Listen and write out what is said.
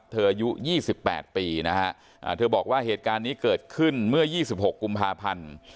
เธอยุ่ยี่สิบแปดปีนะฮะอ่าเธอบอกว่าเหตุการณ์นี้เกิดขึ้นเมื่อยี่สิบหกกุมภาพันธ์